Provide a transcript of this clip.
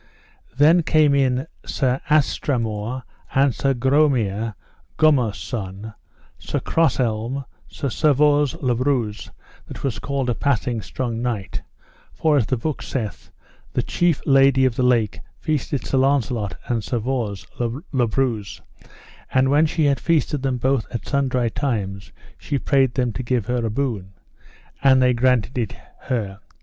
Then came in Sir Astamor, and Sir Gromere, Grummor's son, Sir Crosselm, Sir Servause le Breuse, that was called a passing strong knight, for as the book saith, the chief Lady of the Lake feasted Sir Launcelot and Servause le Breuse, and when she had feasted them both at sundry times she prayed them to give her a boon. And they granted it her.